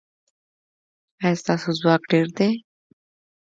ایا ستاسو ځواک ډیر دی؟